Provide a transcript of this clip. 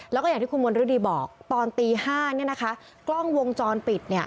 แล้วก็อย่างที่คุณมณฤดีบอกตอนตี๕นี่นะคะกล้องวงจรปิด